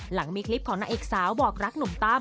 หลังมีคลิปของนางเอกสาวบอกรักหนุ่มตั้ม